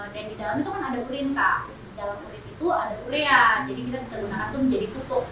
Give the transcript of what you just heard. dan di dalamnya itu kan ada urin kak di dalam urin itu ada urea jadi kita bisa gunakan itu menjadi pupuk